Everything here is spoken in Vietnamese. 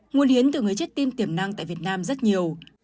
nguồn hiến từ người chết tim tiềm năng tại việt nam rất nhiều